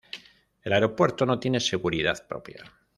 El aeropuerto no tiene seguridad propia.